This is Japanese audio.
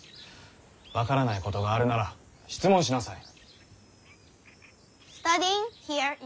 分からないことがあるなら質問しなさい。